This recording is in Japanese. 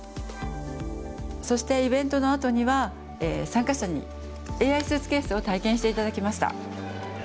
そしてイベントのあとには参加者にＡＩスーツケースを体験して頂きました。